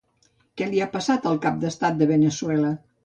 Què li ha passat al cap d'estat de Veneçuela?